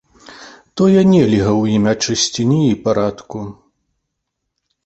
Тое нельга у імя чысціні і парадку.